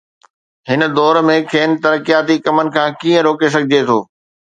هن دور ۾ کين ترقياتي ڪمن کان ڪيئن روڪي سگهجي ٿو؟